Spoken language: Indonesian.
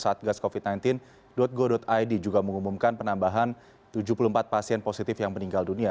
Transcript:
satgas covid sembilan belas go id juga mengumumkan penambahan tujuh puluh empat pasien positif yang meninggal dunia